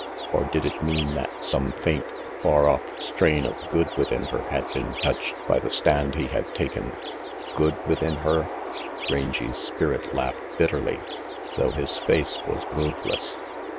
Or did it mean that some faint, far off strain of good within her had been touched by the stand he had taken? Good, within her? Rangy's spirit laughed bitterly, though his face was moveless.